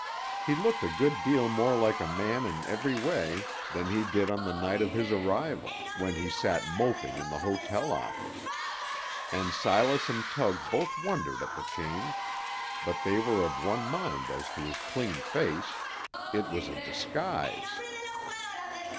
He looked a good deal more like a man in every way than he did on the night of his arrival, when he sat moping in the hotel office; and Silas and Tug both wondered at the change, but they were of one mind as to his clean face; it was a disguise.